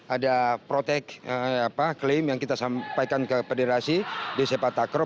ada protek klaim yang kita sampaikan ke federasi di sepak takraw